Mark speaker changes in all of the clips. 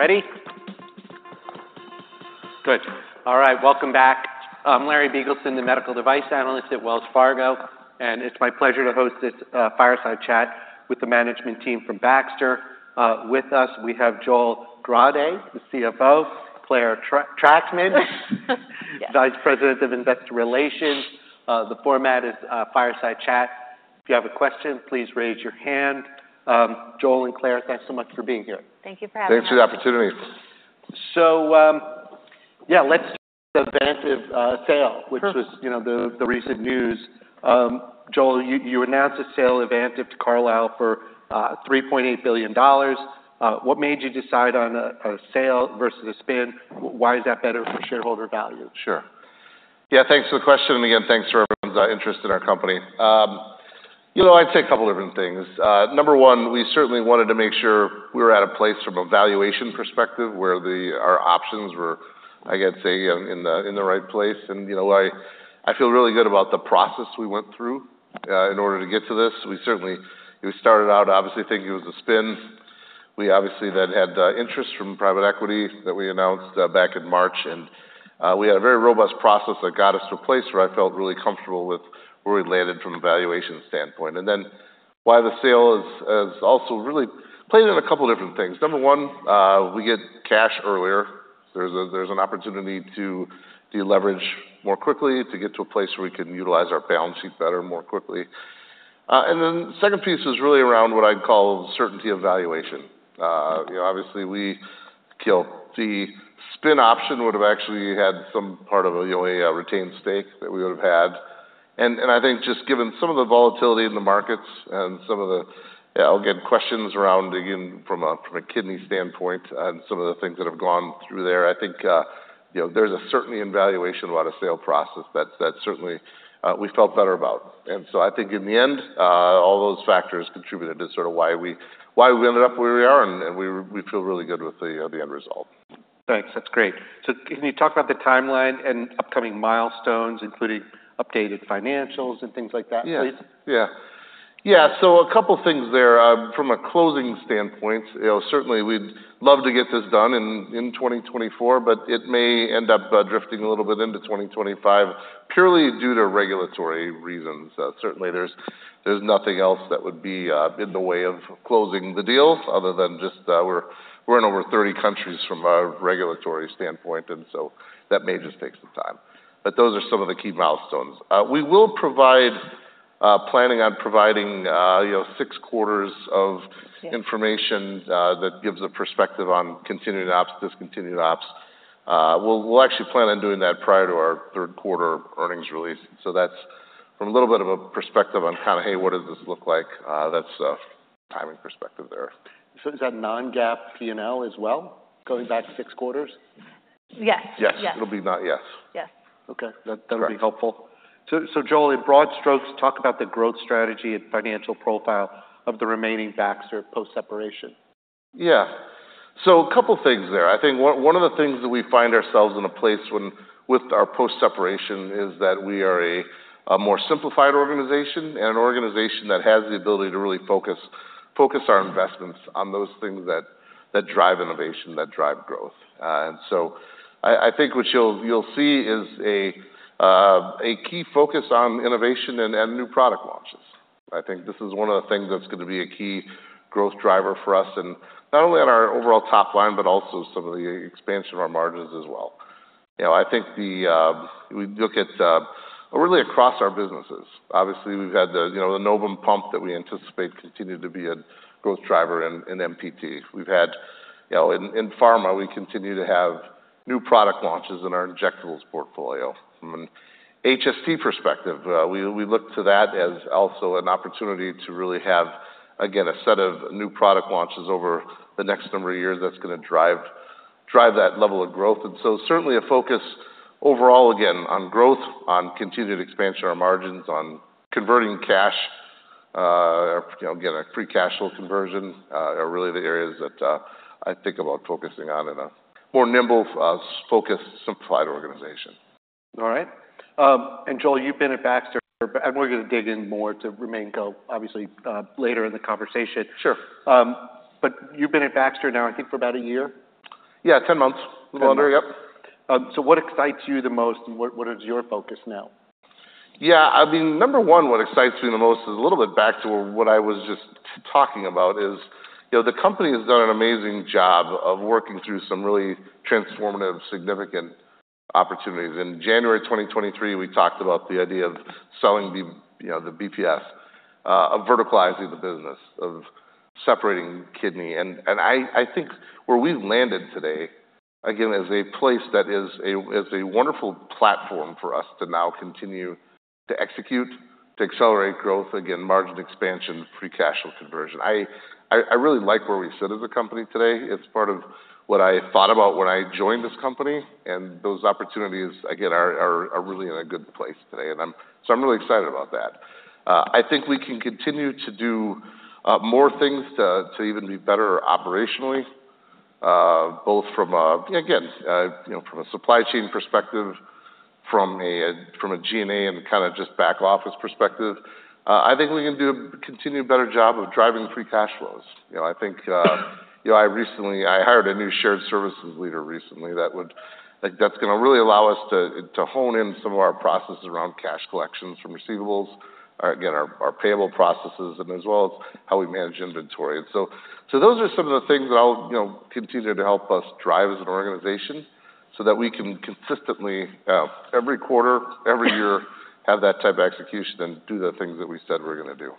Speaker 1: Ready? Good. All right, welcome back. I'm Larry Biegelsen, the medical device analyst at Wells Fargo, and it's my pleasure to host this fireside chat with the management team from Baxter. With us, we have Joel Grade, the CFO, Clare Trachtman,
Speaker 2: Yes.
Speaker 1: Vice President of Investor Relations. The format is fireside chat. If you have a question, please raise your hand. Joel and Clare, thanks so much for being here.
Speaker 2: Thank you for having us. Thanks for the opportunity.
Speaker 1: Yeah, let's Vantive sale.
Speaker 2: Sure.
Speaker 1: which was, you know, the recent news. Joel, you announced the sale of Vantive to Carlyle for $3.8 billion. What made you decide on a sale versus a spin? Why is that better for shareholder value?
Speaker 2: Sure. Yeah, thanks for the question, and again, thanks for everyone's interest in our company. You know, I'd say a couple different things. Number one, we certainly wanted to make sure we were at a place from a valuation perspective where our options were, I'd say, in the right place. And, you know, I feel really good about the process we went through in order to get to this. We certainly we started out obviously thinking it was a spin. We obviously then had interest from private equity that we announced back in March, and we had a very robust process that got us to a place where I felt really comfortable with where we landed from a valuation standpoint. And then why the sale is also really played in a couple different things. Number one, we get cash earlier. There's an opportunity to deleverage more quickly, to get to a place where we can utilize our balance sheet better, more quickly. And then the second piece is really around what I'd call certainty of valuation. You know, obviously, we killed. The spin option would've actually had some part of a, you know, a retained stake that we would've had. And I think just given some of the volatility in the markets and some of the, yeah, again, questions around, again, from a kidney standpoint and some of the things that have gone through there, I think, you know, there's a certainty in valuation about a sale process that's certainly we felt better about. I think in the end, all those factors contributed to sort of why we ended up where we are, and we feel really good with the end result.
Speaker 1: Thanks. That's great. So can you talk about the timeline and upcoming milestones, including updated financials and things like that, please?
Speaker 2: Yeah. Yeah. Yeah, so a couple things there. From a closing standpoint, you know, certainly we'd love to get this done in 2024, but it may end up drifting a little bit into 2025, purely due to regulatory reasons. Certainly there's nothing else that would be in the way of closing the deals other than just we're in over 30 countries from a regulatory standpoint, and so that may just take some time. But those are some of the key milestones. We're planning on providing, you know, six quarters of information that gives a perspective on continued ops, discontinued ops. We'll actually plan on doing that prior to our third quarter earnings release. So that's from a little bit of a perspective on kind of, "Hey, what does this look like?" That's a timing perspective there.
Speaker 1: So is that non-GAAP P&L as well, going back six quarters?
Speaker 2: Yes. Yes. Yes. It'll be, yes. Yes.
Speaker 1: Okay. That-
Speaker 2: Correct.
Speaker 1: That'll be helpful. So, Joel, in broad strokes, talk about the growth strategy and financial profile of the remaining Baxter post-separation.
Speaker 2: Yeah. So a couple things there. I think one of the things that we find ourselves in a place when, with our post-separation, is that we are a more simplified organization, and an organization that has the ability to really focus our investments on those things that drive innovation, that drive growth. And so I think what you'll see is a key focus on innovation and new product launches. I think this is one of the things that's gonna be a key growth driver for us, and not only on our overall top line, but also some of the expansion of our margins as well. You know, I think we look at really across our businesses. Obviously, we've had, you know, the Novum pump that we anticipate continue to be a growth driver in MPT. You know, in pharma, we continue to have new product launches in our injectables portfolio. From an HST perspective, we look to that as also an opportunity to really have, again, a set of new product launches over the next number of years that's gonna drive that level of growth. And so certainly a focus overall, again, on growth, on continued expansion of our margins, on converting cash, you know, again, a free cash flow conversion, are really the areas that I think about focusing on in a more nimble, focused, simplified organization.
Speaker 1: All right, and Joel, you've been at Baxter, and we're gonna dig in more to RemainCo, obviously, later in the conversation.
Speaker 2: Sure.
Speaker 1: But you've been at Baxter now, I think, for about a year?
Speaker 2: Yeah, 10 months.
Speaker 1: 10 months.
Speaker 2: Yep.
Speaker 1: So what excites you the most, and what is your focus now?
Speaker 2: Yeah, I mean, number one, what excites me the most is a little bit back to what I was just talking about is, you know, the company has done an amazing job of working through some really transformative, significant opportunities. In January 2023, we talked about the idea of selling the, you know, the BPS, of verticalizing the business, of separating kidney. And I think where we've landed today, again, is a place that is a wonderful platform for us to now continue to execute, to accelerate growth, again, margin expansion, free cash flow conversion. I really like where we sit as a company today. It's part of what I thought about when I joined this company, and those opportunities, again, are really in a good place today, and so I'm really excited about that. I think we can continue to do more things to even be better operationally, both from a, again, you know, from a supply chain perspective, from a G&A and kind of just back office perspective. I think we can do a continued better job of driving free cash flows. You know, I think, you know, I recently hired a new shared services leader recently that would. I think that's gonna really allow us to hone in some of our processes around cash collections from receivables. Again, our payable processes, and as well as how we manage inventory. And so, so those are some of the things that I'll, you know, continue to help us drive as an organization so that we can consistently, every quarter, every year, have that type of execution and do the things that we said we're gonna do.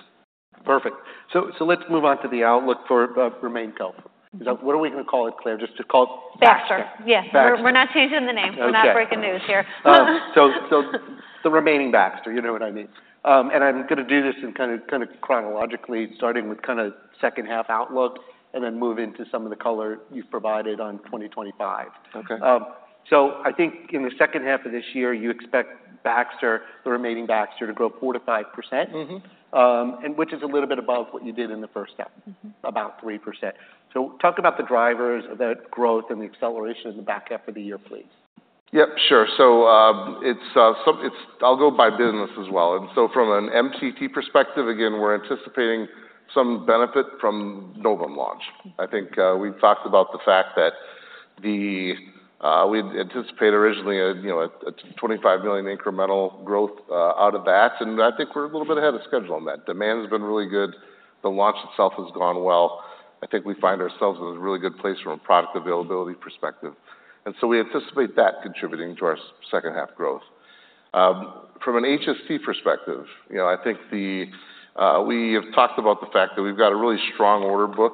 Speaker 1: Perfect. So, so let's move on to the outlook for, RemainCo. Now, what are we gonna call it, Clare? Just to call it Baxter.
Speaker 3: Baxter, yes.
Speaker 1: Baxter.
Speaker 3: We're not changing the name.
Speaker 1: Okay.
Speaker 3: We're not breaking news here.
Speaker 1: So, the remaining Baxter, you know what I mean. And I'm gonna do this in kind of chronologically, starting with kinda H2 outlook, and then move into some of the color you've provided on 2025.
Speaker 2: Okay.
Speaker 1: So, I think in the H2 of this year, you expect Baxter, the remaining Baxter, to grow 4% to 5%.
Speaker 2: Mm-hmm.
Speaker 1: And which is a little bit above what you did in the H2-
Speaker 3: Mm-hmm...
Speaker 1: about 3%. So talk about the drivers of that growth and the acceleration in the H2 of the year, please.
Speaker 2: Yep, sure. So, it's. I'll go by business as well. And so from an MCT perspective, again, we're anticipating some benefit from Novum launch. I think we've talked about the fact that the... We'd anticipate originally a $25 million incremental growth out of that, and I think we're a little bit ahead of schedule on that. Demand has been really good. The launch itself has gone well. I think we find ourselves in a really good place from a product availability perspective, and so we anticipate that contributing to our second half growth. From an HST perspective, you know, I think the... We have talked about the fact that we've got a really strong order book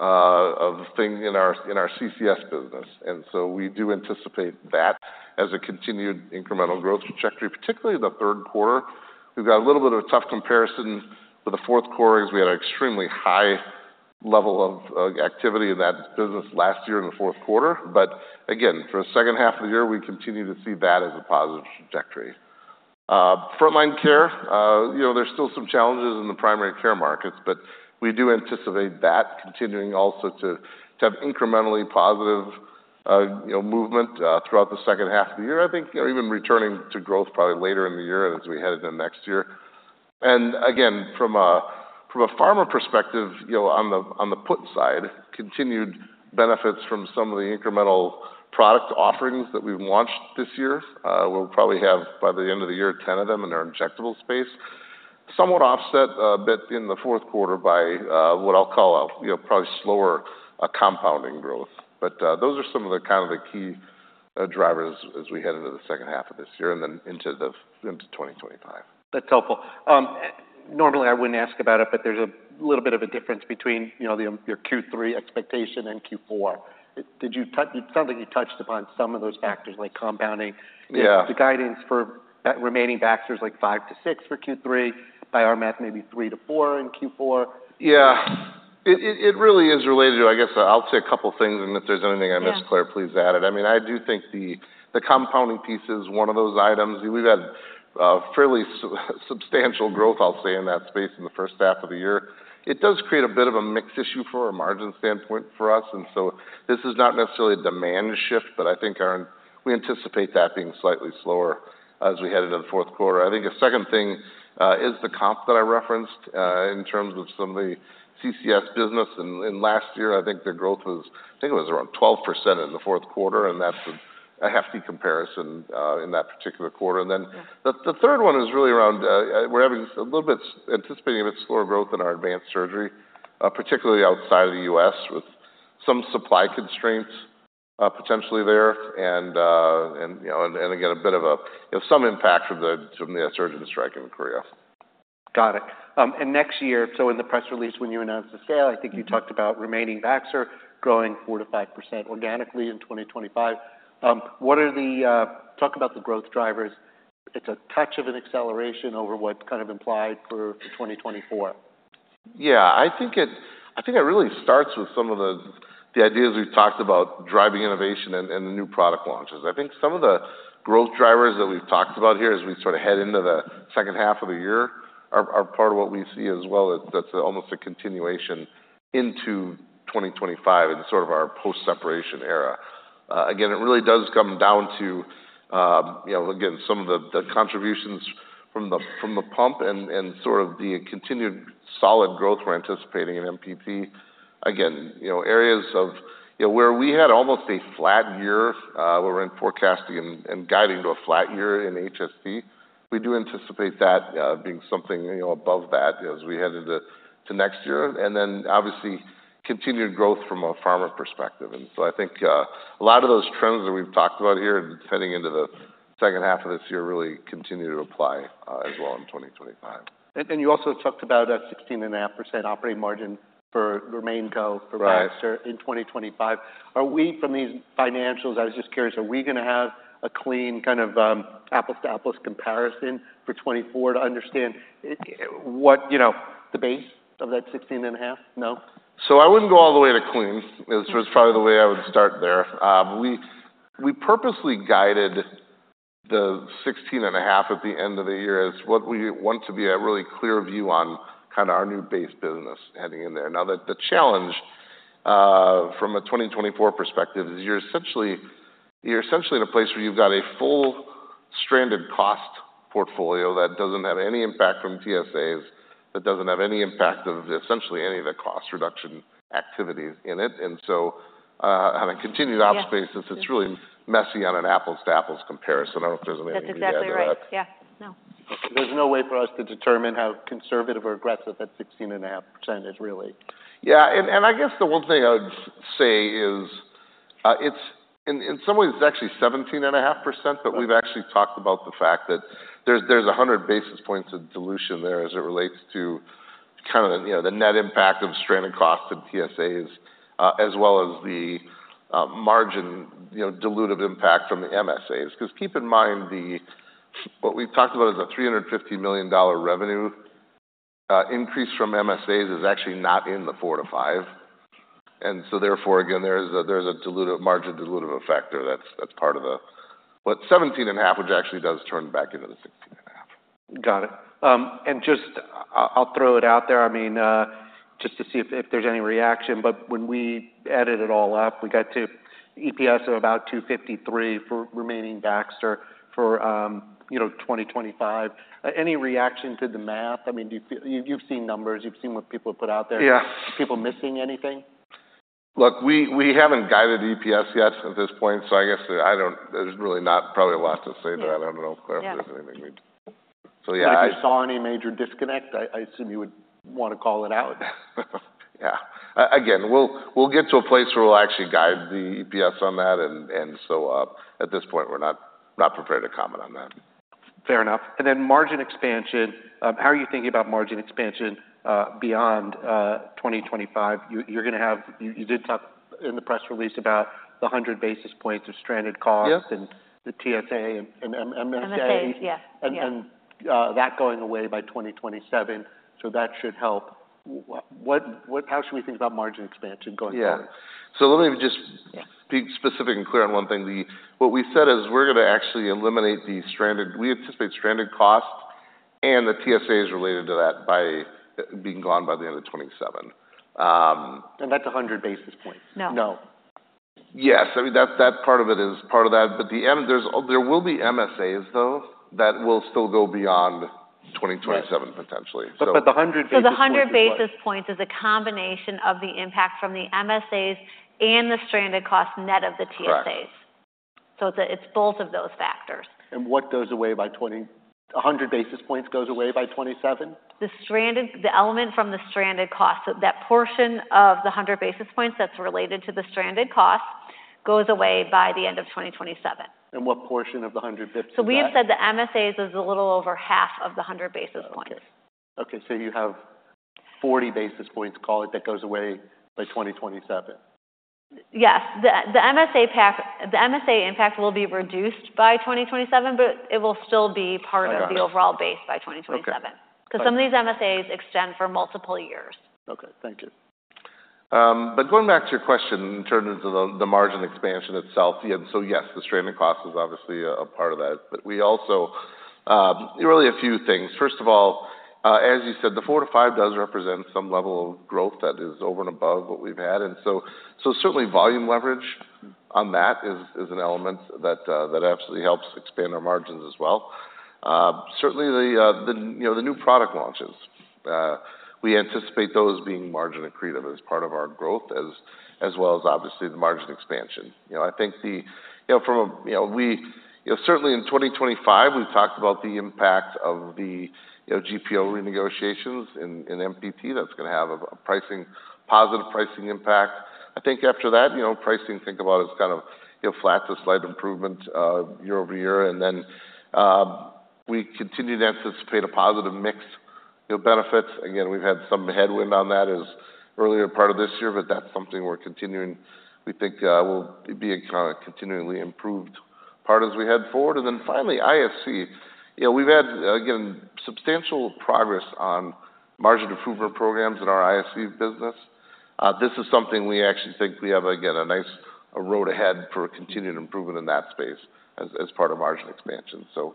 Speaker 2: of things in our CCS business, and so we do anticipate that as a continued incremental growth trajectory, particularly the third quarter. We've got a little bit of a tough comparison for the fourth quarter, as we had an extremely high level of activity in that business last year in the fourth quarter. But again, for the H2 of the year, we continue to see that as a positive trajectory. Front Line Care, you know, there's still some challenges in the primary care markets, but we do anticipate that continuing also to have incrementally positive, you know, movement throughout the H2 of the year. I think, you know, even returning to growth probably later in the year and as we head into next year. Again, from a pharma perspective, you know, on the put side, continued benefits from some of the incremental product offerings that we've launched this year. We'll probably have, by the end of the year, 10 of them in our injectable space. Somewhat offset a bit in the fourth quarter by what I'll call a you know probably slower compounding growth. But those are some of the kind of the key drivers as we head into the H2 of this year and then into 2025.
Speaker 1: That's helpful. Normally, I wouldn't ask about it, but there's a little bit of a difference between, you know, your Q3 expectation and Q4. It sounds like you touched upon some of those factors, like compounding.
Speaker 2: Yeah.
Speaker 1: The guidance for that remaining Baxter is, like, $5-$6 for Q3. By our math, maybe $3-$4 in Q4.
Speaker 2: Yeah, it really is related to... I guess I'll say a couple things, and if there's anything I missed-
Speaker 3: Yeah...
Speaker 2: Clare, please add it. I mean, I do think the compounding piece is one of those items. We've had fairly substantial growth, I'll say, in that space in the first half of the year. It does create a bit of a mix issue for a margin standpoint for us, and so this is not necessarily a demand shift, but I think we anticipate that being slightly slower as we head into the fourth quarter. I think a second thing is the comp that I referenced in terms of some of the CCS business. And last year, I think their growth was, I think it was around 12% in the fourth quarter, and that's a hefty comparison in that particular quarter.
Speaker 3: Yeah.
Speaker 2: And then the third one is really around, we're having a little bit anticipating a bit slower growth in our Advanced Surgery, particularly outside of the U.S., with some supply constraints, potentially there. And, you know, again, a bit of a, you know, some impact from the surgeon strike in Korea.
Speaker 1: Got it. And next year, so in the press release, when you announced the sale-
Speaker 2: Mm-hmm...
Speaker 1: I think you talked about remaining Baxter growing 4% to 5% organically in 2025. Talk about the growth drivers. It's a touch of an acceleration over what's kind of implied for 2024.
Speaker 2: Yeah, I think it really starts with some of the ideas we've talked about, driving innovation and the new product launches. I think some of the growth drivers that we've talked about here as we sort of head into the H2 of the year are part of what we see as well, as that's almost a continuation into 2025 and sort of our post-separation era. Again, it really does come down to, you know, again, some of the contributions from the pump and sort of the continued solid growth we're anticipating in MPT. Again, you know, areas of, you know, where we had almost a flat year, we're forecasting and guiding to a flat year in HST. We do anticipate that being something, you know, above that as we head into next year. And then, obviously, continued growth from a pharma perspective. And so I think a lot of those trends that we've talked about here, heading into the H2 of this year, really continue to apply as well in 2025.
Speaker 1: And you also talked about a 16.5% operating margin for RemainCo-
Speaker 2: Right
Speaker 1: for Baxter in 2025. Are we... From these financials, I was just curious, are we gonna have a clean kind of, apples-to-apples comparison for 2024 to understand it, what, you know, the base of 16.5%? No?
Speaker 2: So I wouldn't go all the way to clean. This was probably the way I would start there. We purposely guided the 16.5% at the end of the year as what we want to be a really clear view on kinda our new base business heading in there. Now, the challenge from a 2024 perspective is you're essentially in a place where you've got a full stranded cost portfolio that doesn't have any impact from TSAs, that doesn't have any impact of essentially any of the cost reduction activities in it. And so, on a continued outspace-
Speaker 3: Yeah
Speaker 2: It's really messy on an apples to apples comparison. I don't know if there's anything you'd add to that.
Speaker 3: That's exactly right. Yeah. No.
Speaker 1: There's no way for us to determine how conservative or aggressive that 16.5% is, really?
Speaker 2: Yeah, and I guess the one thing I would say is, it's in some ways actually 17.5%, but we've actually talked about the fact that there's 100 basis points of dilution there as it relates to kind of, you know, the net impact of stranded costs and TSAs, as well as the margin, you know, dilutive impact from the MSAs. Because keep in mind, what we've talked about is a $350 million revenue increase from MSAs is actually not in the 4% to 5%. And so therefore, again, there's a dilutive margin, dilutive effect there that's part of the... But 17.5%, which actually does turn back into the 16.5%.
Speaker 1: Got it. And just, I'll throw it out there, I mean, just to see if there's any reaction, but when we added it all up, we got to EPS of about $2.53 for remaining Baxter for, you know, 2025. Any reaction to the math? I mean, do you feel... You've seen numbers, you've seen what people have put out there.
Speaker 2: Yeah.
Speaker 1: Are people missing anything?
Speaker 2: Look, we haven't guided EPS yet at this point, so I guess I don't. There's really not probably a lot to say there.
Speaker 3: Yeah.
Speaker 2: I don't know, Clare, if there's anything we... So yeah, I-
Speaker 1: But if you saw any major disconnect, I assume you would want to call it out.
Speaker 2: Yeah. Again, we'll get to a place where we'll actually guide the EPS on that, and so, at this point, we're not prepared to comment on that.
Speaker 1: Fair enough. And then margin expansion, how are you thinking about margin expansion beyond 2025? You're gonna have... you did talk in the press release about the 100 basis points of stranded costs-
Speaker 2: Yeah...
Speaker 1: and the TSA and MSAs.
Speaker 3: MSAs, yeah. Yeah.
Speaker 1: that going away by 2027, so that should help. How should we think about margin expansion going forward?
Speaker 2: Yeah. So let me just-
Speaker 3: Yeah...
Speaker 2: be specific and clear on one thing. The what we said is we're gonna actually eliminate. We anticipate stranded costs and the TSAs related to that by being gone by the end of 2027.
Speaker 1: That's 100 basis points?
Speaker 3: No.
Speaker 1: No.
Speaker 2: Yes. I mean, that, that part of it is part of that, but the end, there's, there will be MSAs, though, that will still go beyond 2027-
Speaker 1: Yes
Speaker 2: ...potentially. So-
Speaker 1: But the 100 basis points is like-
Speaker 3: So the 100 basis points is a combination of the impact from the MSAs and the stranded cost net of the TSAs.
Speaker 2: Correct.
Speaker 3: It's both of those factors.
Speaker 1: What goes away by 2027, a basis points goes away by 2027?
Speaker 3: The stranded element from the stranded cost. So that portion of the 100 basis points that's related to the stranded cost goes away by the end of 2027.
Speaker 1: What portion of the 100 basis points is that?
Speaker 3: So we have said the MSAs is a little over half of the 100 basis points.
Speaker 1: Okay. Okay, so you have 40 basis points, call it, that goes away by 2027?
Speaker 3: Yes. The MSA impact will be reduced by 2027, but it will still be part of-
Speaker 1: Got it...
Speaker 3: the overall base by 2027.
Speaker 1: Okay.
Speaker 3: 'Cause some of these MSAs extend for multiple years.
Speaker 1: Okay, thank you.
Speaker 2: But going back to your question, in terms of the margin expansion itself, and so, yes, the stranded cost is obviously a part of that. But we also really a few things. First of all, as you said, the 4% to 5% does represent some level of growth that is over and above what we've had, and so certainly volume leverage on that is an element that absolutely helps expand our margins as well. Certainly the you know the new product launches we anticipate those being margin accretive as part of our growth, as well as obviously the margin expansion. You know, I think the... You know, from a you know we you know certainly in 2025, we've talked about the impact of the you know GPO renegotiations in MPT. That's gonna have a pricing, positive pricing impact. I think after that, you know, pricing, think about it as kind of, you know, flat to slight improvement year-over-year. And then we continue to anticipate a positive mix, you know, benefits. Again, we've had some headwind on that as earlier part of this year, but that's something we're continuing- we think will be a kind of continually improved part as we head forward. And then finally, ISC. You know, we've had, again, substantial progress on margin improvement programs in our ISC business. This is something we actually think we have, again, a nice road ahead for a continued improvement in that space as part of margin expansion. So,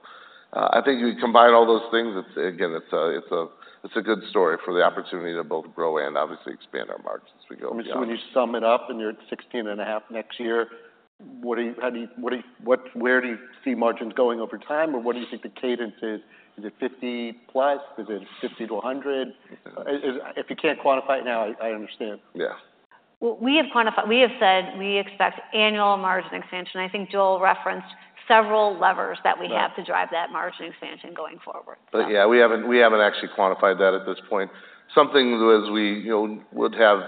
Speaker 2: I think you combine all those things, it's, again, a good story for the opportunity to both grow and obviously expand our margins as we go beyond.
Speaker 1: I mean, so when you sum it up, and you're at 16.5% next year, where do you see margins going over time, or what do you think the cadence is? Is it 50%+? Is it 50% to 100%? If you can't quantify it now, I understand.
Speaker 2: Yeah.
Speaker 3: We have said we expect annual margin expansion. I think Joel referenced several levers that we have-
Speaker 2: Yeah...
Speaker 3: to drive that margin expansion going forward, so.
Speaker 2: But yeah, we haven't actually quantified that at this point. Something as we, you know, would have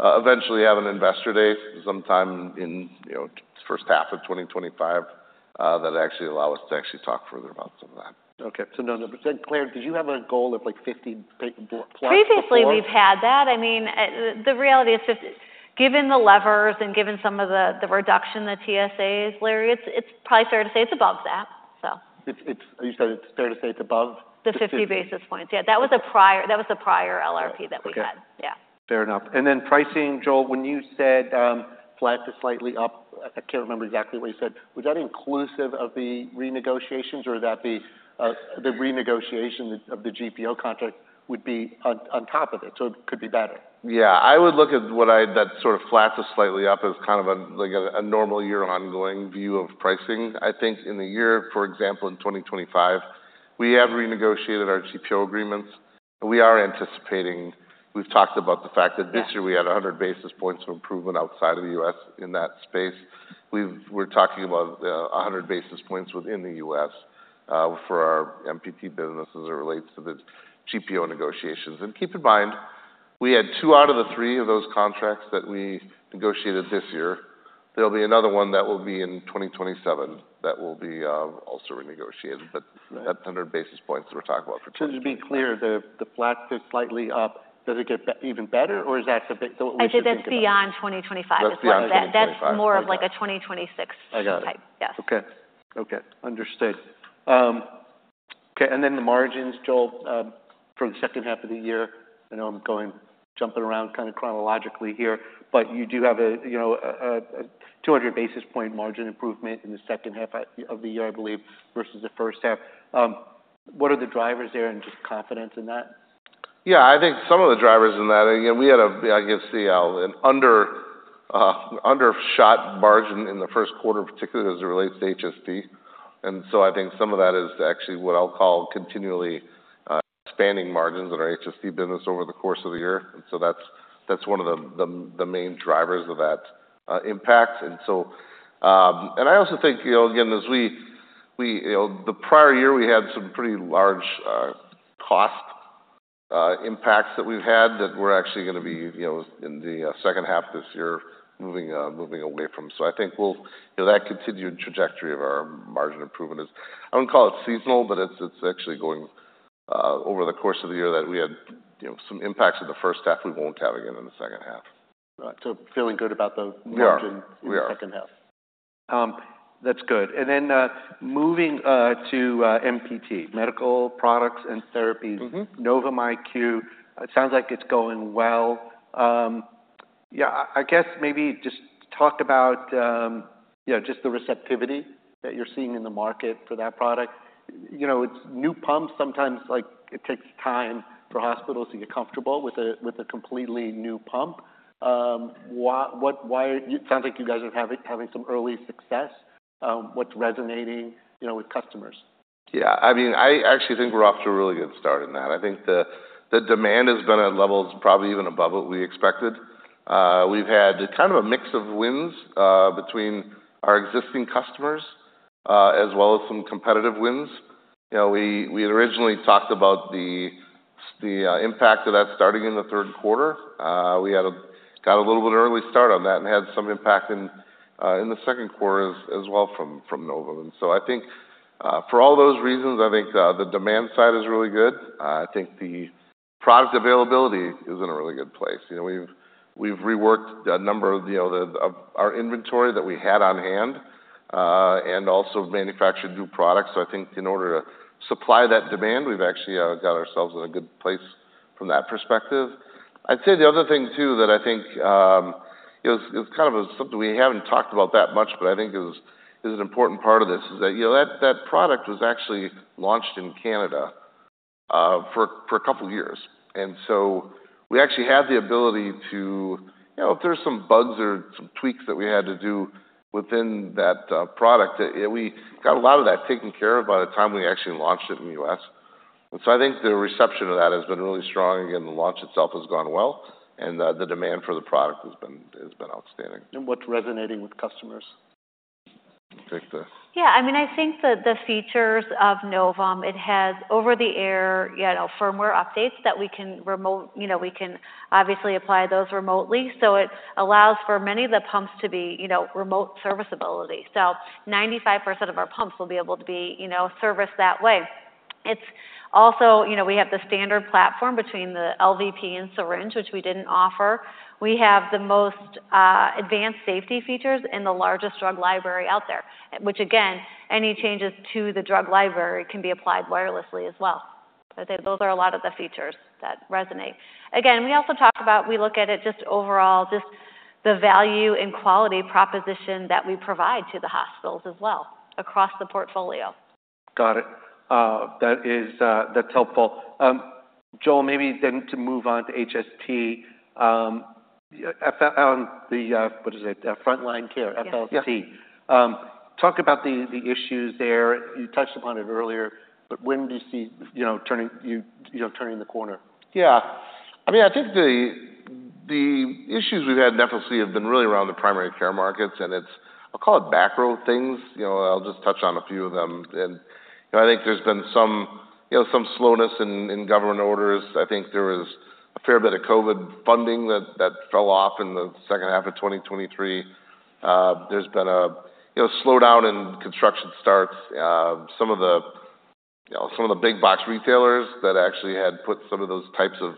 Speaker 2: eventually have an investor day sometime in, you know, H1 of 2025, that actually allow us to actually talk further about some of that.
Speaker 1: Okay. So no, but then, Clare, did you have a goal of, like, 50% plus before?
Speaker 3: Previously, we've had that. I mean, the reality is if given the levers and given some of the reduction in the TSAs, Larry, it's probably fair to say it's above that, so.
Speaker 1: You said it's fair to say it's above the fifty?
Speaker 3: The 50 basis points. Yeah, that was a prior LRP that we had.
Speaker 1: Okay.
Speaker 3: Yeah.
Speaker 1: Fair enough. And then pricing, Joel, when you said flat to slightly up. I can't remember exactly what you said. Was that inclusive of the renegotiations, or is that the renegotiation of the GPO contract would be on top of it, so it could be better?
Speaker 2: Yeah, I would look at that sort of flat to slightly up as kind of a, like, a normal year ongoing view of pricing. I think in the year, for example, in 2025, we have renegotiated our GPO agreements, and we are anticipating. We've talked about the fact that-
Speaker 3: Yeah
Speaker 2: This year we had a 100 basis points of improvement outside of the U.S. in that space. We're talking about a 100 basis points within the U.S. for our MPT business as it relates to the GPO negotiations. And keep in mind, we had two out of the three of those contracts that we negotiated this year. There'll be another one that will be in 2027 that will be also renegotiated.
Speaker 1: Right.
Speaker 2: but that 100 basis points that we're talking about for 2025.
Speaker 1: Just to be clear, the flat to slightly up, does it get even better, or is that the best what we should think about?
Speaker 3: I think that's beyond 2025.
Speaker 2: That's beyond 2025.
Speaker 3: That's more of, like, a 2026-
Speaker 2: I got it.
Speaker 3: Type. Yes.
Speaker 1: Okay. Okay, understood. Okay, and then the margins, Joel, for the H2 of the year, I know I'm going jumping around kind of chronologically here, but you do have a, you know, 200 basis point margin improvement in the H2 of the year, I believe, versus the H1. What are the drivers there and just confidence in that?
Speaker 2: Yeah, I think some of the drivers in that, again, we had a, I guess, an undershot margin in the first quarter, particularly as it relates to HST. And so I think some of that is actually what I'll call continually expanding margins in our HST business over the course of the year. And so that's one of the main drivers of that impact. And so, and I also think, you know, again, as we, the prior year, we had some pretty large cost impacts that we've had that we're actually gonna be, you know, in the H2 of this year, moving away from. So I think we'll. You know, that continued trajectory of our margin improvement is. I wouldn't call it seasonal, but it's actually going over the course of the year that we had, you know, some impacts in the H1. We won't have again in the H2.
Speaker 1: Right. So feeling good about the margin-
Speaker 2: We are.
Speaker 1: -in the H2. That's good. And then, moving to MPT, Medical Products and Therapies.
Speaker 2: Mm-hmm.
Speaker 1: Novum IQ, it sounds like it's going well. Yeah, I guess maybe just talk about, you know, just the receptivity that you're seeing in the market for that product. You know, with new pumps, sometimes, like, it takes time for hospitals to get comfortable with a completely new pump. It sounds like you guys are having some early success. What's resonating, you know, with customers?
Speaker 2: Yeah, I mean, I actually think we're off to a really good start in that. I think the demand has been at levels probably even above what we expected. We've had kind of a mix of wins between our existing customers as well as some competitive wins. You know, we had originally talked about the impact of that starting in the third quarter. We had a little bit early start on that and had some impact in the second quarter as well from Novum. So I think for all those reasons, I think the demand side is really good. I think the product availability is in a really good place. You know, we've reworked a number of, you know, our inventory that we had on hand and also manufactured new products. So I think in order to supply that demand, we've actually got ourselves in a good place from that perspective. I'd say the other thing, too, that I think, you know, is kind of something we haven't talked about that much, but I think is an important part of this, is that, you know, that product was actually launched in Canada for a couple years. And so we actually had the ability to... You know, if there are some bugs or some tweaks that we had to do within that product, we got a lot of that taken care of by the time we actually launched it in the US. And so I think the reception of that has been really strong, and the launch itself has gone well, and the demand for the product has been outstanding.
Speaker 1: What's resonating with customers?
Speaker 2: I'll take this.
Speaker 3: Yeah, I mean, I think the features of Novum, it has over-the-air, you know, firmware updates that we can remote- You know, we can obviously apply those remotely, so it allows for many of the pumps to be, you know, remote serviceability. So 95% of our pumps will be able to be, you know, serviced that way. It's also. You know, we have the standard platform between the LVP and syringe, which we didn't offer. We have the most, advanced safety features and the largest drug library out there, which again, any changes to the drug library can be applied wirelessly as well. I'd say those are a lot of the features that resonate. Again, we also talked about, we look at it just overall, just the value and quality proposition that we provide to the hospitals as well, across the portfolio.
Speaker 1: Got it. That is, that's helpful. Joel, maybe then to move on to HST, the, what is it? Front Line Care, FLC.
Speaker 3: Yeah.
Speaker 2: Yeah.
Speaker 1: Talk about the issues there. You touched upon it earlier, but when do you see, you know, turning the corner?
Speaker 2: Yeah. I mean, I think the issues we've had in FLC have been really around the primary care markets, and it's. I'll call it macro things. You know, I'll just touch on a few of them, and, you know, I think there's been some, you know, some slowness in government orders. I think there was a fair bit of COVID funding that fell off in the H2 of 2023. There's been a, you know, slowdown in construction starts. Some of the, you know, some of the big box retailers that actually had put some of those types of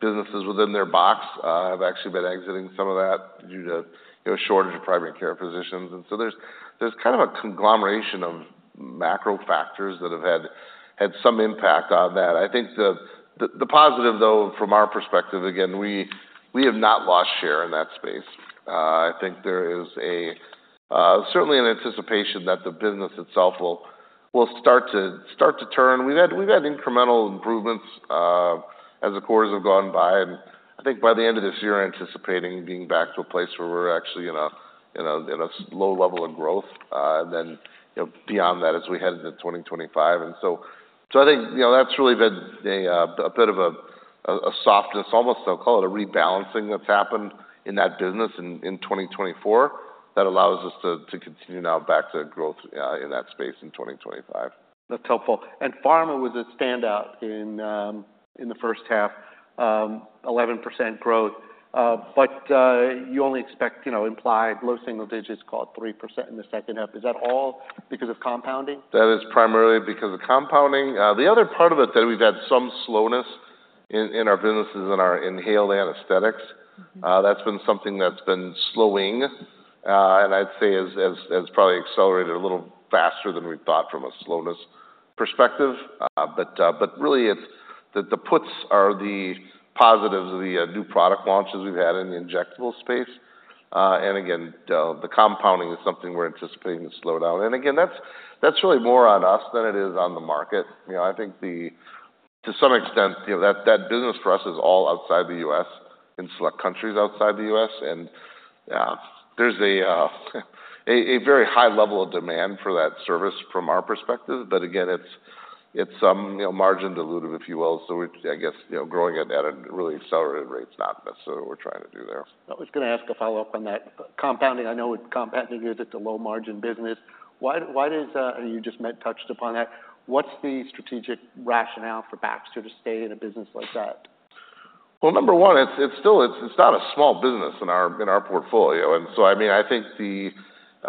Speaker 2: businesses within their box have actually been exiting some of that due to, you know, shortage of primary care physicians. And so there's kind of a conglomeration of macro factors that have had some impact on that. I think the positive, though, from our perspective, again, we have not lost share in that space. I think there is certainly an anticipation that the business itself will start to turn. We've had incremental improvements as the quarters have gone by. And I think by the end of this year, anticipating being back to a place where we're actually in a low level of growth, and then, you know, beyond that, as we head into 2025. And so I think, you know, that's really been a bit of a softness, almost I'll call it a rebalancing, that's happened in that business in 2024, that allows us to continue now back to growth in that space in 2025.
Speaker 1: That's helpful, and pharma was a standout in the H1, 11% growth, but you only expect, you know, implied low single digits, call it 3% in the H2. Is that all because of compounding?
Speaker 2: That is primarily because of compounding. The other part of it, though, we've had some slowness in our businesses and our inhaled anesthetics.
Speaker 1: Mm-hmm.
Speaker 2: That's been something that's been slowing. And I'd say has probably accelerated a little faster than we thought from a slowness perspective. But really, it's the puts are the positives of the new product launches we've had in the injectable space. And again, the compounding is something we're anticipating to slow down. And again, that's really more on us than it is on the market. You know, I think to some extent, you know, that business for us is all outside the US, in select countries outside the US. And there's a very high level of demand for that service from our perspective. But again, it's, you know, margin dilutive, if you will, so we're, I guess, you know, growing it at a really accelerated rate is not necessarily what we're trying to do there.
Speaker 1: I was gonna ask a follow-up on that. Compounding, I know with compounding, it's a low margin business. Why does, and you just mentioned that, what's the strategic rationale for Baxter to stay in a business like that?
Speaker 2: Number one, it's still not a small business in our portfolio. And so, I mean,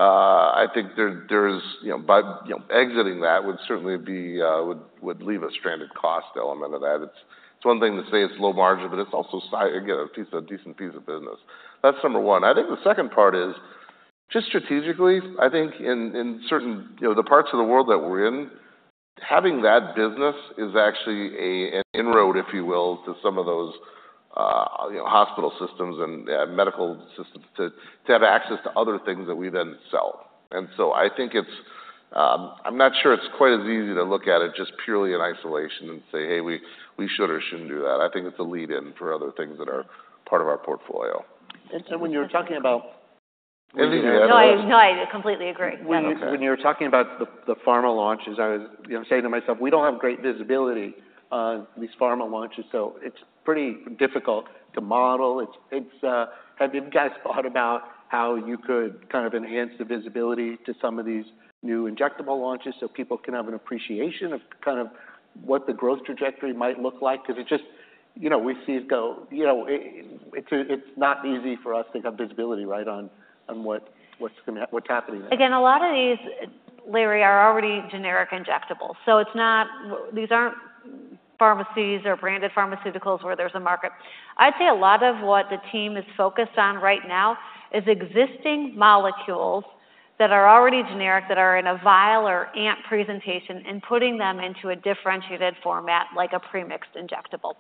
Speaker 2: I think there's, you know, by, you know, exiting that would certainly be, would leave a stranded cost element of that. It's one thing to say it's low margin, but it's also again, a piece of, a decent piece of business. That's number one. I think the second part is, just strategically, I think in certain, you know, the parts of the world that we're in, having that business is actually an inroad, if you will, to some of those, you know, hospital systems and medical systems to have access to other things that we then sell. And so I think it's... I'm not sure it's quite as easy to look at it just purely in isolation and say, "Hey, we should or shouldn't do that." I think it's a lead-in for other things that are part of our portfolio.
Speaker 1: When you're talking about-...
Speaker 3: No, I completely agree.
Speaker 1: When you're talking about the pharma launches, I was, you know, saying to myself, we don't have great visibility on these pharma launches, so it's pretty difficult to model. It's. Have you guys thought about how you could kind of enhance the visibility to some of these new injectable launches so people can have an appreciation of kind of what the growth trajectory might look like? Because it just, you know, it's not easy for us to have visibility, right, on what's gonna happen there.
Speaker 3: Again, a lot of these, Larry, are already generic injectables, so it's not, these aren't pharmacies or branded pharmaceuticals where there's a market. I'd say a lot of what the team is focused on right now is existing molecules that are already generic, that are in a vial or amp presentation, and putting them into a differentiated format, like a premixed injectable.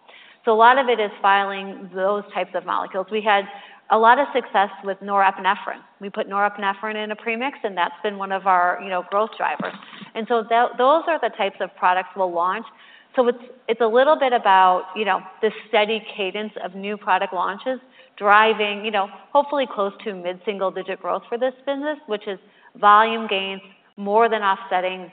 Speaker 3: So a lot of it is filing those types of molecules. We had a lot of success with norepinephrine. We put norepinephrine in a premix, and that's been one of our, you know, growth drivers. And so those are the types of products we'll launch. So it's a little bit about, you know, the steady cadence of new product launches, driving, you know, hopefully close to mid-single digit growth for this business, which is volume gains more than offsetting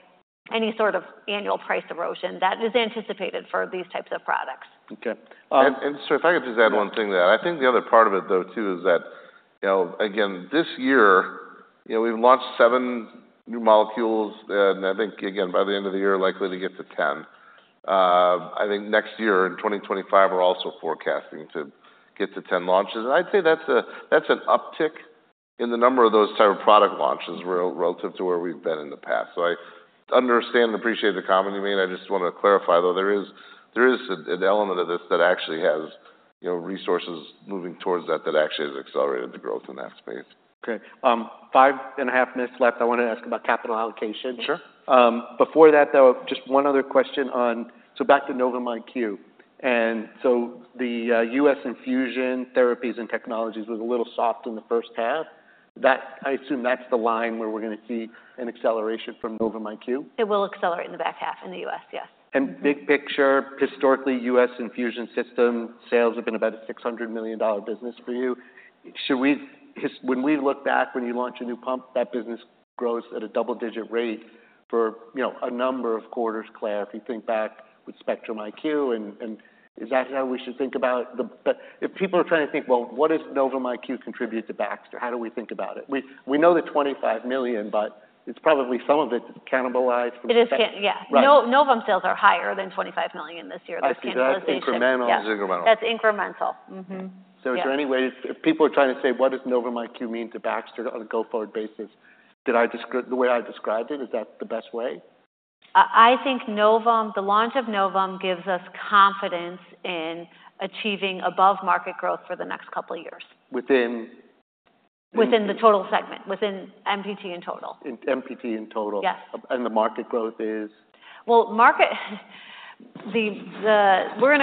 Speaker 3: any sort of annual price erosion that is anticipated for these types of products.
Speaker 1: Okay, um-
Speaker 2: If I could just add one thing to that. I think the other part of it, though, too, is that, you know, again, this year, you know, we've launched seven new molecules. And I think, again, by the end of the year, likely to get to 10. I think next year, in 2025, we're also forecasting to get to 10 launches. And I'd say that's a, that's an uptick in the number of those type of product launches relative to where we've been in the past. So I understand and appreciate the comment you made. I just want to clarify, though, there is, there is an element of this that actually has, you know, resources moving towards that, that actually has accelerated the growth in that space.
Speaker 1: Okay, five and a half minutes left. I want to ask about capital allocation.
Speaker 3: Sure.
Speaker 1: Before that, though, just one other question on... So back to Novum IQ. And so the US infusion therapies and technologies was a little soft in the H1. That, I assume that's the line where we're gonna see an acceleration from Novum IQ?
Speaker 3: It will accelerate in the back half in the US, yes.
Speaker 1: Big picture, historically, US infusion system sales have been about a $600 million business for you. Should we, when we look back, when you launch a new pump, that business grows at a double-digit rate for, you know, a number of quarters, Clare, if you think back with Spectrum IQ and is that how we should think about the? But if people are trying to think, well, what does Novum IQ contribute to Baxter? How do we think about it? We, we know the $25 million, but it's probably some of it cannibalized from-
Speaker 3: Yeah.
Speaker 1: Right.
Speaker 3: Novo, Novum sales are higher than $25 million this year.
Speaker 1: I see.
Speaker 3: There's cannibalization.
Speaker 1: Incremental.
Speaker 2: Incremental.
Speaker 3: That's incremental. Mm-hmm. Yeah.
Speaker 1: So is there any way, if people are trying to say, "What does Novum IQ mean to Baxter on a go-forward basis?" Did I describe the way I described it, is that the best way?
Speaker 3: I think Novum, the launch of Novum, gives us confidence in achieving above market growth for the next couple of years.
Speaker 1: Within?...
Speaker 3: within the total segment, within MPT and total?
Speaker 1: In MPT in total?
Speaker 3: Yes.
Speaker 1: The market growth is?
Speaker 3: We're in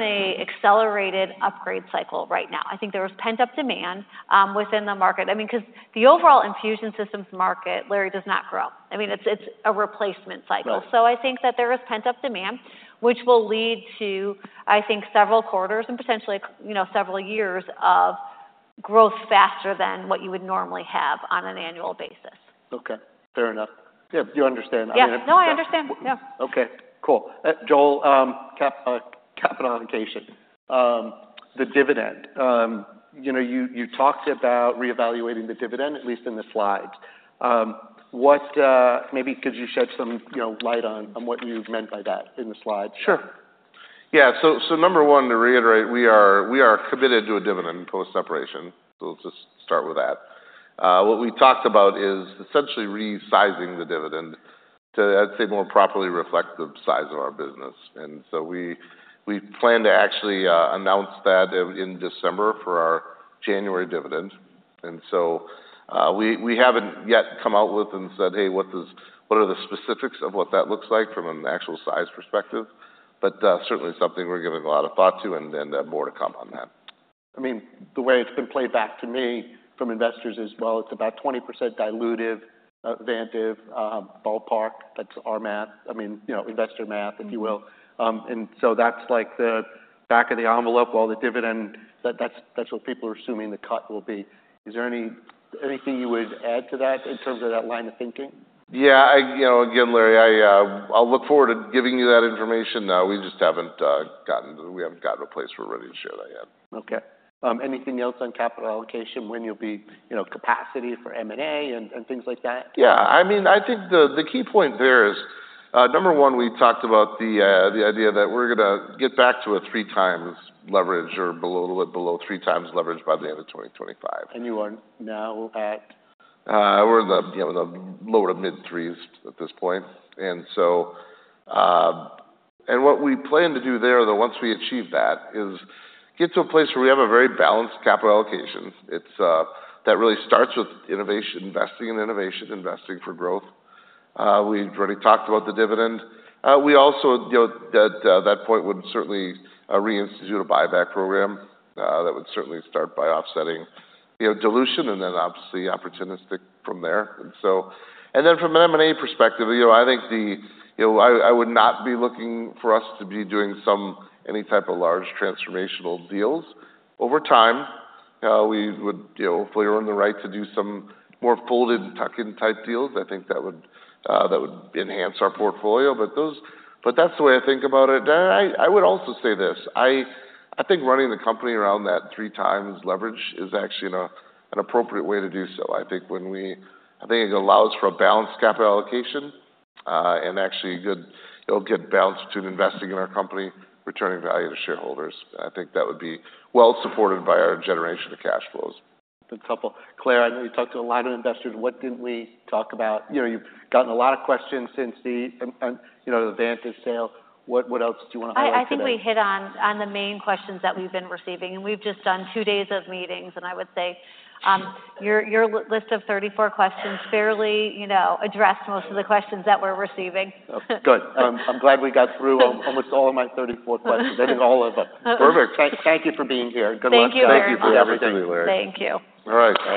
Speaker 3: an accelerated upgrade cycle right now. I think there was pent-up demand within the market. I mean, 'cause the overall infusion systems market, Larry, does not grow. I mean, it's a replacement cycle.
Speaker 1: Right.
Speaker 3: So, I think that there is pent-up demand, which will lead to, I think, several quarters and potentially, you know, several years of growth faster than what you would normally have on an annual basis.
Speaker 1: Okay, fair enough. Yeah, you understand?
Speaker 3: Yeah. No, I understand. Yeah.
Speaker 1: Okay, cool. Joel, capital allocation, the dividend. You know, you talked about reevaluating the dividend, at least in the slides. What, maybe could you shed some, you know, light on what you meant by that in the slides?
Speaker 2: Sure. Yeah, so number one, to reiterate, we are committed to a dividend post-separation, so we'll just start with that. What we talked about is essentially resizing the dividend to, I'd say, more properly reflect the size of our business, and so we plan to actually announce that in December for our January dividend, and so we haven't yet come out with and said, "Hey, what does, what are the specifics of what that looks like from an actual size perspective?" But certainly something we're giving a lot of thought to and more to come on that.
Speaker 1: I mean, the way it's been played back to me from investors is, well, it's about 20% dilutive, Vantiv, ballpark. That's our math. I mean, you know, investor math, if you will. And so that's like the back of the envelope, all the dividend, that's what people are assuming the cut will be. Is there anything you would add to that in terms of that line of thinking?
Speaker 2: Yeah, you know, again, Larry, I'll look forward to giving you that information. We just haven't gotten to a place we're ready to share that yet.
Speaker 1: Okay. Anything else on capital allocation, when you'll be, you know, capacity for M&A and things like that?
Speaker 2: Yeah, I mean, I think the key point there is, number one, we talked about the idea that we're gonna get back to a 3x leverage or below, a little bit below 3x leverage by the end of 2025.
Speaker 1: You are now at?
Speaker 2: We're in the, you know, the lower to mid threes at this point. And so, and what we plan to do there, though, once we achieve that, is get to a place where we have a very balanced capital allocation. It's, that really starts with innovation, investing in innovation, investing for growth. We've already talked about the dividend. We also, you know, at, that point would certainly, reinstitute a buyback program. That would certainly start by offsetting, you know, dilution and then obviously opportunistic from there. And so, and then from an M&A perspective, you know, I think the, you know, I, I would not be looking for us to be doing some, any type of large transformational deals. Over time, we would, you know, hopefully earn the right to do some more bolt-on, tuck-in type deals. I think that would enhance our portfolio. But that's the way I think about it. Then I would also say this: I think running the company around that 3x leverage is actually, you know, an appropriate way to do so. I think it allows for a balanced capital allocation and actually, it'll get balance to investing in our company, returning value to shareholders. I think that would be well supported by our generation of cash flows.
Speaker 1: A couple. Clare, I know you talked to a lot of investors. What didn't we talk about? You know, you've gotten a lot of questions since the, you know, the Vantive sale. What else do you want to add to that?
Speaker 3: I think we hit on the main questions that we've been receiving, and we've just done two days of meetings, and I would say, your list of 34 questions fairly, you know, addressed most of the questions that we're receiving.
Speaker 1: Good. I'm glad we got through almost all of my 34 questions. I think all of them.
Speaker 2: Perfect.
Speaker 1: Thank you for being here. Good luck.
Speaker 3: Thank you, Larry.
Speaker 2: Thank you for everything.
Speaker 3: Thank you.
Speaker 2: All right. Bye.